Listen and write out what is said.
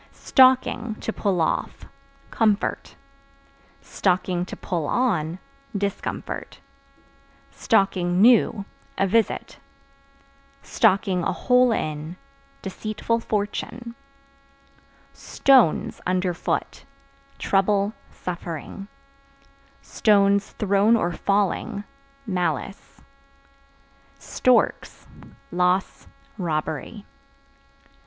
Stocking (To pull off) comfort; (to pull on) discomfort; (new) a visit; (a hole in) deceitful fortune. Stones (Under foot) trouble, suffering; (thrown or falling) malice. Storks Loss, robbery.